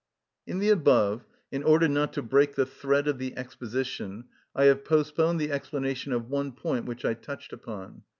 In the above, in order not to break the thread of the exposition, I have postponed the explanation of one point which I touched upon.